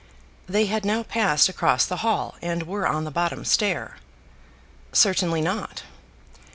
They had now passed across the hall, and were on the bottom stair. "Certainly not."